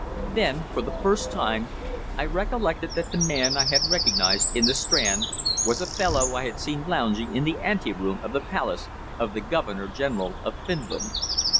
Then for the first time I recollected that the man I had recognized in the Strand was a fellow I had seen lounging in the ante room of the palace of the Governor General of Finland.